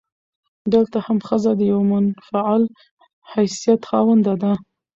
دلته هم ښځه د يوه منفعل حيثيت خاونده ده.